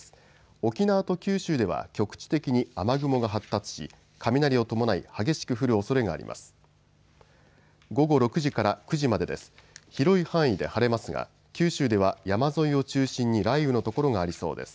沖縄と九州では局地的に雨雲が発達し雷を伴い激しく降るおそれがあります。